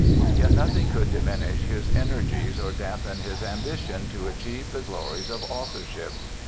Yet nothing could diminish his energies or dampen his ambitions to achieve the glories of authorship.